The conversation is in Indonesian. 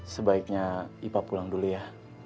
sebaiknya ipa pulang dulu ya